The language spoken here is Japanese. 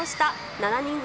７人組